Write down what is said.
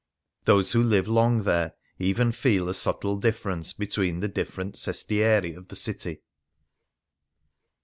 Those who live lone there even feel a subtle difference between the different sestieri of the city.